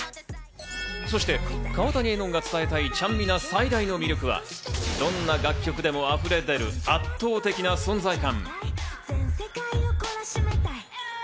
そして川谷絵音が伝えたい、ちゃんみな最大の魅力はどんな楽曲でも溢れ出る、圧倒的な存在感。